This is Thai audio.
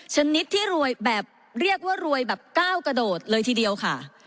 ชนิดที่รวยแบบเรียกว่ารวยแบบก้าวกระโดดเลยทีเดียวค่ะ